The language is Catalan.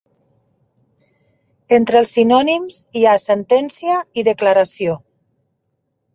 Entre els sinònims hi ha sentència i declaració.